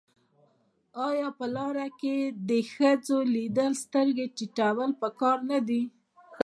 آیا په لار کې د ښځې لیدل سترګې ټیټول پکار نه دي؟